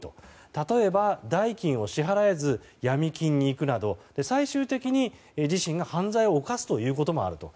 例えば代金を支払えずヤミ金に行くなど最終的に自身が犯罪を犯すということもあると。